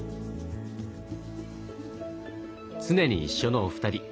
常に一緒のお二人。